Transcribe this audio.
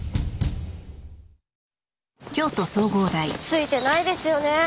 ツイてないですよねぇ。